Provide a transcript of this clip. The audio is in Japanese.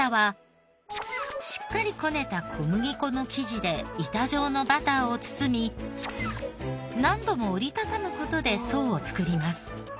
しっかりこねた小麦粉の生地で板状のバターを包み何度も折り畳む事で層を作ります。